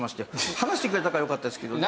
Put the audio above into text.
放してくれたからよかったですけどね。